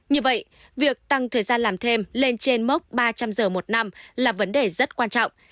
như vậy việc tăng thời gian làm thêm lên trên mốc ba trăm linh giờ một năm là vấn đề rất quan trọng